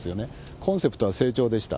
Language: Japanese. コンセプトは成長でした。